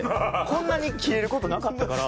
こんなにキレる事なかったから。